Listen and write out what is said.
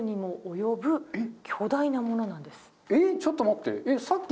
えっちょっと待って。